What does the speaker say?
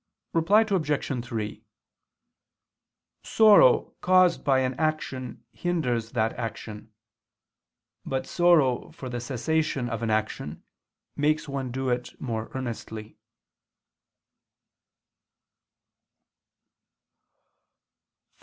Reply Obj. 3: Sorrow caused by an action hinders that action: but sorrow for the cessation of an action, makes one do it more earnestly.